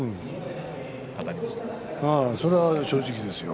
それは正直ですよ。